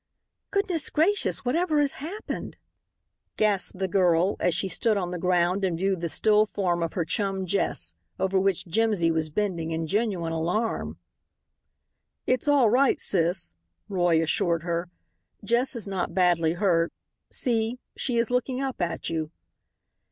"Good gracious, whatever has happened?" gasped the girl, as she stood on the ground and viewed the still form of her chum Jess, over which Jimsy was bending in genuine alarm. "It's all right, sis," Roy assured her, "Jess is not badly hurt. See she is looking up at you."